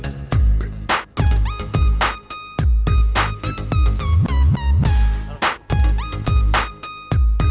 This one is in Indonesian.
taruh di situ